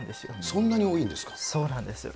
そんなに多いんですか？